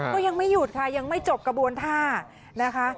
ก็ยังไม่หยุดค่ะยังไม่จบกระบวนท่านะคะ